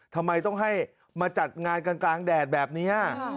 ทำไมต้องให้มาจัดงานกลางแดดแบบนี้